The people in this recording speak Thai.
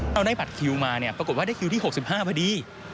เอาได้บัตรคิวมาเนี่ยปรากฏว่าได้คิวที่๖๕พอดี